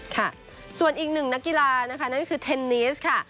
ค่ะส่วนอีกหนึ่งนักกีฬานะคะนั่นก็คือเทนนิสค่ะ